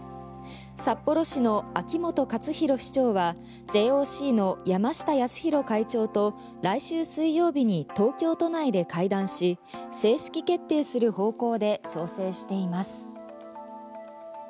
札幌市の秋元克広市長はＪＯＣの山下泰裕会長と来週水曜日に東京都内で会談し正式決定する方向で調整しています。